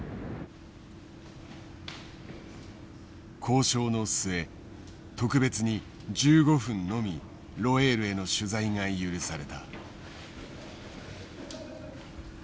交渉の末特別に１５分のみロェールへの取材が許された。